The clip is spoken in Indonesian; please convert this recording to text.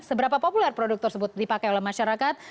seberapa populer produk tersebut dipakai oleh masyarakat